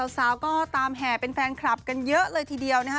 สาวก็ตามแห่เป็นแฟนคลับกันเยอะเลยทีเดียวนะคะ